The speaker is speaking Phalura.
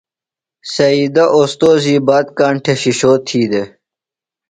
سعید اوستوذی بات کاݨ تھےۡ شِشو تھی دےۡ۔